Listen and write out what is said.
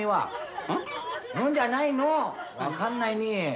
「うん？」じゃないの。分かんないねぇ。